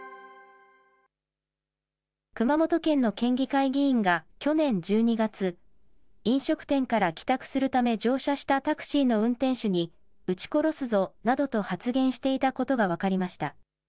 熊本県の県議会議員が去年１２月、飲食店から帰宅するため乗車したタクシーの運転手に、うち殺すぞなどと発言していたことが分かりました。